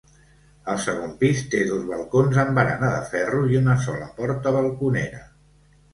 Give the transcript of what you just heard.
El segon pis té dos balcons amb barana de ferro i una sola porta balconera.